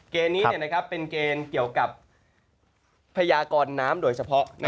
เกณฑ์นี้เป็นเกณฑ์เกี่ยวกับพยากรน้ำโดยเฉพาะ